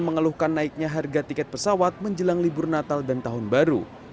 mengeluhkan naiknya harga tiket pesawat menjelang libur natal dan tahun baru